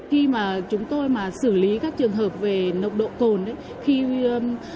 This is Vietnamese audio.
khi mà chúng tôi mà xử lý các trường hợp về nộp độ cồn ấy